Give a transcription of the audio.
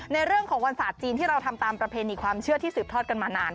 ในเรื่องของวันศาสตร์จีนที่เราทำตามประเพณีความเชื่อที่สืบทอดกันมานาน